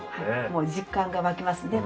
もう実感が湧きますね